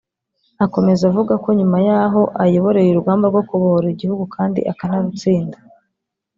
Akomeza avuga ko nyuma y’aho ayoboreye urugamba rwo kubohora igihugu kandi akanarutsinda